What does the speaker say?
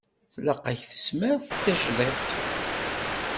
Tlaq-ak tesmert tajdidt.